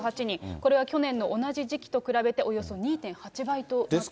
これは去年の同じ時期と比べて、およそ２．８倍となっています。